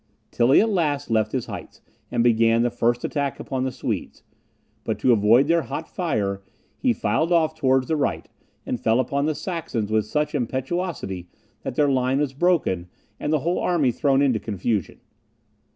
Tilly at last left his heights, and began the first attack upon the Swedes; but to avoid their hot fire, he filed off towards the right, and fell upon the Saxons with such impetuosity that their line was broken, and the whole army thrown into confusion.